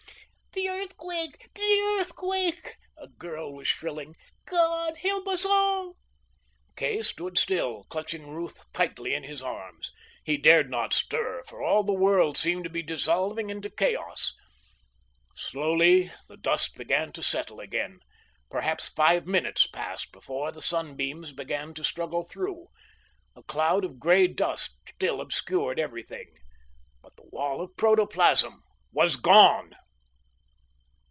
"The earthquake! The earthquake!" a girl was shrilling. "God help us all!" Kay stood still, clutching Ruth tightly in his arms. He dared not stir, for all the world seemed to be dissolving into chaos. Slowly the dust began to settle again. Perhaps five minutes passed before the sunbeams began to struggle through. A cloud of grey dust still obscured everything. But the wall of protoplasm was gone!